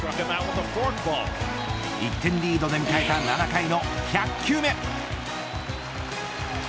１点リードで迎えた７回の１００球目。